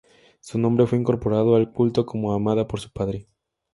Su nombre fue incorporado al culto como "Amada por su padre".